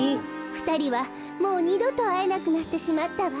ふたりはもうにどとあえなくなってしまったわ。